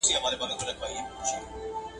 آیا د شخصي تجربه د نورو تر واک لاندې تاثیر لري؟